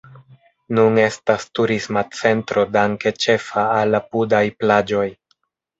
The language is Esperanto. Nun estas turisma centro danke ĉefa al apudaj plaĝoj.